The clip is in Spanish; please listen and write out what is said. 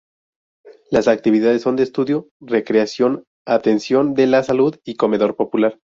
Las actividades son de estudio, recreación, atención de la salud y comedor popular.